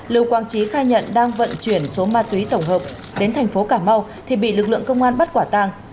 lưu quang trí khai nhận đang vận chuyển số ma túy tổng hợp đến thành phố cà mau thì bị lực lượng công an bắt quả tàng